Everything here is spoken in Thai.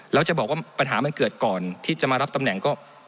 แล้วจะบอกว่าปัญหามันเกิดก่อนที่จะมารับตำแหน่งก็